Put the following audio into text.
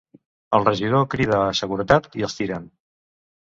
El regidor crida a seguretat i els tiren.